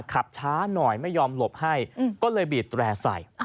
ขับช้าหน่อยไม่ยอมหลบให้ก็เลยบีดแร่ใส่